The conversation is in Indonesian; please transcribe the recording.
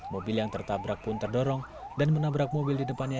mobil yang tertabrak pun terdorong dan menabrak mobil di depannya